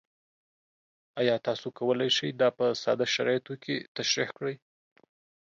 ایا تاسو کولی شئ دا په ساده شرایطو کې تشریح کړئ؟